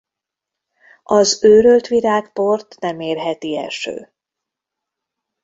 Az őrölt virágport nem érheti eső.